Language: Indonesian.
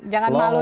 jangan malu untuk